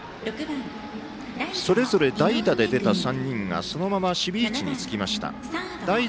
それぞれ代打で出た３人がそれぞれ守備位置に入りました。